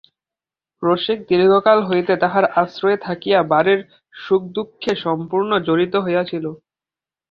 রসিক দীর্ঘকাল হইতে তাঁহার আশ্রয়ে থাকিয়া বাড়ির সুখদুঃখে সম্পূর্ণ জড়িত হইয়া ছিলেন।